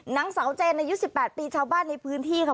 นางสาวเจนอายุ๑๘ปีชาวบ้านในพื้นที่ค่ะ